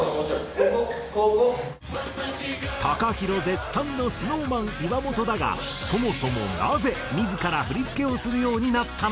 絶賛のＳｎｏｗＭａｎ岩本だがそもそもなぜ自ら振付をするようになったのか？